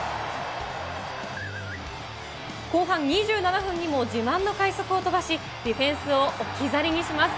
後半２７分にも、自慢の快足を飛ばし、ディフェンスを置き去りにします。